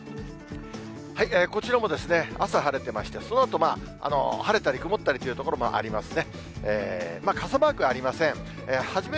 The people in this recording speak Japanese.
こちらもですね、朝晴れてまして、そのあと、晴れたり曇ったりという所もありますね。